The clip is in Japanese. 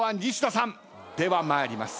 では参ります。